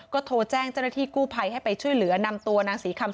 ก็โทรแจ้งเจ้าหน้าที่กู้ภัยให้ไปช่วยเหลือนำตัวนางศรีคำ